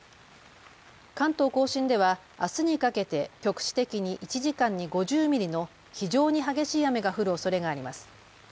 関東甲信ではあすにかけて局地的に１時間に５０ミリの非常に激しい雨が降るおそれがあります。